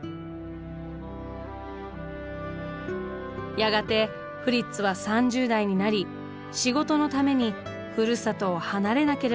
やがてフリッツは３０代になり仕事のためにふるさとを離れなければならなくなりました。